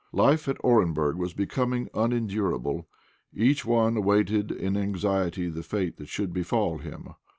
Life at Orenburg was becoming unendurable; each one awaited in anxiety the fate that should befall him.